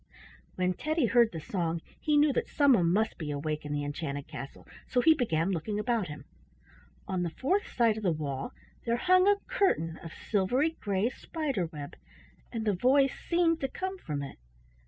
When Teddy heard the song, he knew that someone must be awake in the enchanted castle, so he began looking about him. On the fourth side of the wall there hung a curtain of silvery gray spider web, and the voice seemed to come from it.